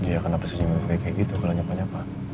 ya kenapa sendiri mau kayak gitu kalo nyapa nyapa